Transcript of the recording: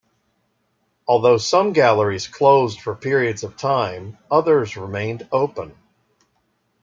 Although some galleries closed for periods of time, others remained open.